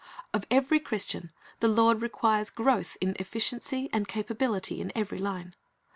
Of eveiy Christian the Lord requires growth in efficiency and capability in every line.